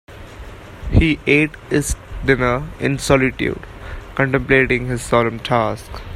He ate his dinner in solitude, contemplating his solemn task.